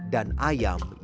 dan ayam yang diangkat